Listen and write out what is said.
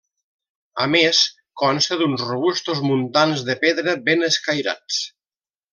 A més, consta d’uns robustos muntants de pedra ben escairats.